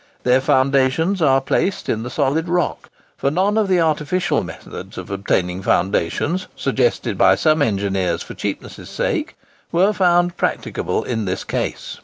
Their foundations are placed in the solid rock; for none of the artificial methods of obtaining foundations, suggested by some engineers for cheapness' sake, were found practicable in this case.